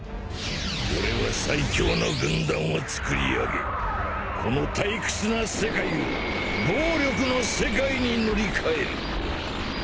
俺は最強の軍団をつくり上げこの退屈な世界を暴力の世界に塗り替える。